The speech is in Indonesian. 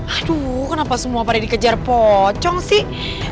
aduh kenapa semua pada dikejar pocong sih